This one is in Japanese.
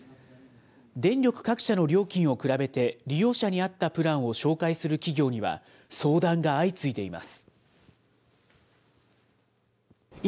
電力各社の料金を比べて、利用者に合ったプランを紹介する企業には、相談が相次いでいます。